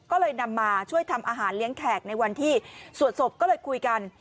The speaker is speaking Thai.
ก็เลยนำมาช่วยทำอาหารเลี้ยงแขกในวันที่สวดศพก็เลยคุยกัน